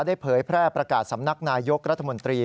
เผยแพร่ประกาศสำนักนายกรัฐมนตรี